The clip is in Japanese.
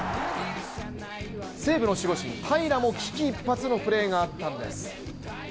西武の守護神・平良も危機一髪のプレーがあったんです。